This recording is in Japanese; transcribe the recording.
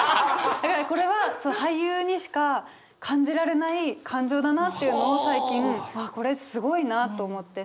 これは俳優にしか感じられない感情だなっていうのを最近ああこれすごいなと思って。